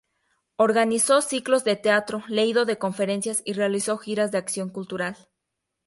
Organizó ciclos de teatro leído, de conferencias y realizó giras de acción cultural.